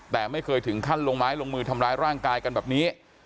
แต่ไม่เคยถึงขั้นลงไม้ลงมือทำร้ายร่างกายกันแบบนี้